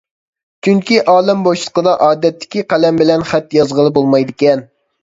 چۈنكى ئالەم بوشلۇقىدا ئادەتتىكى قەلەم بىلەن خەت يازغىلى بولمايدىكەن.